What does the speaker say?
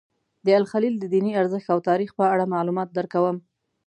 د الخلیل د دیني ارزښت او تاریخ په اړه معلومات درکوم.